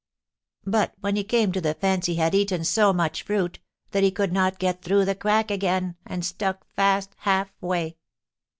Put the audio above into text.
But when he came to the fence he had eaten so much fruit that he could not get through the crack again and stuck fast half way.